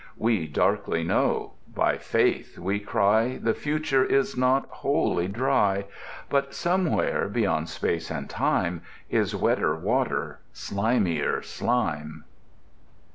We darkly know, by Faith we cry The future is not Wholly Dry.... But somewhere, beyond Space and Time, Is wetter water, slimier slime!